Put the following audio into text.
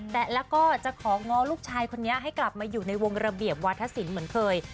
แต่แล้วก็จะของง้อลูกชายคนนี้ให้กลับมาอยู่ในวงระเบียบวาธศิลป์เหมือนเคย